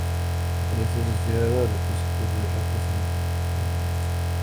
Aparece asociado a depósitos de rocas ígneas.